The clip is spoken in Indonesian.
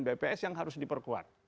bps yang harus diperkuat